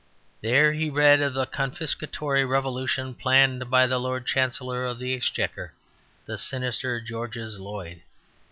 There he read of the confiscatory revolution planned by the Lord Chancellor of the Exchequer, the sinister Georges Lloyd.